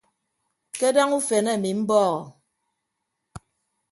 Kadaña ufen emi mbọde.